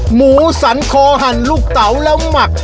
หมูสันคอหั่นลูกเต๋าแล้วหมัก